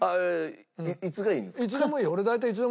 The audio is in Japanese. いつがいいんですか？